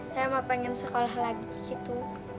saya mah pengen sekolah lagi gitu